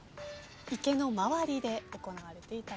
池の周りで行われていたことです。